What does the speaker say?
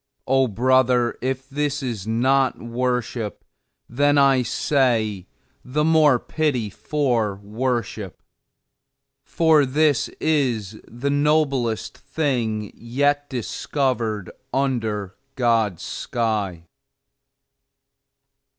Oh, brother, if this is not "worship," then, I say, the more pity for worship; for this is the noblest thing yet discovered under God's sky!